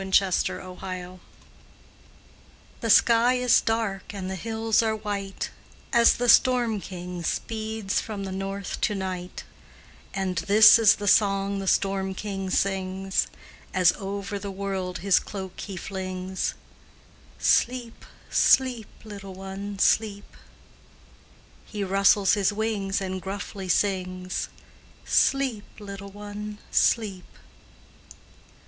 NORSE LULLABY The sky is dark and the hills are white As the storm king speeds from the north to night, And this is the song the storm king sings, As over the world his cloak he flings: "Sleep, sleep, little one, sleep;" He rustles his wings and gruffly sings: "Sleep, little one, sleep."